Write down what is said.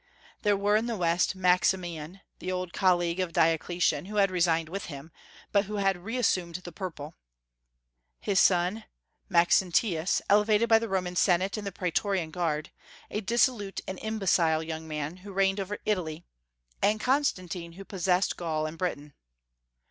There were in the West Maximian, the old colleague of Diocletian, who had resigned with him, but who had reassumed the purple; his son, Maxentius, elevated by the Roman Senate and the Praetorian Guard, a dissolute and imbecile young man, who reigned over Italy; and Constantine, who possessed Gaul and Britain.